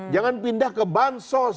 jangan pindah ke bansos